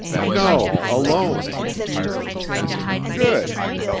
"No—alone." "Good!